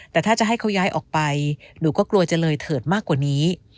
แต่ถ้าจะให้เขาย้ายออกไปหนูก็กลัวจะเลยเถิดมากกว่านี้